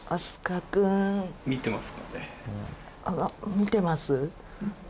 見てます？